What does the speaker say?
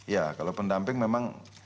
ya kalau pendamping memang